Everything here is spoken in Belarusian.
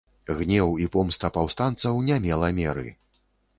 Гнеў і помста паўстанцаў не мела меры.